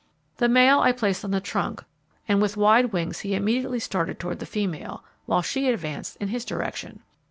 The male I placed on the trunk, and with wide wings he immediately started toward the female, while she advanced in his direction.